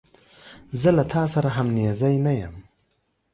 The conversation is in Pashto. زه له تا سره همنیزی نه یم.